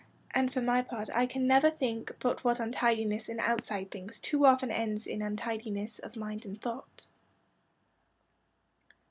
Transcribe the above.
And for my part I can never think but what untidiness in outside things too often ends in untidiness of mind and thought."